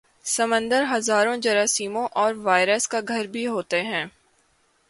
سمندر ہزاروں جراثیموں اور وائرس کا گھر بھی ہوتے ہیں